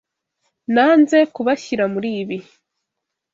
Nanze kubashyira muri ibi.